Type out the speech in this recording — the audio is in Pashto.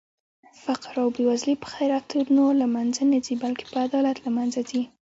فقر او بې وزلي په خيراتونو لمنخه نه ځي بلکې په عدالت لمنځه ځي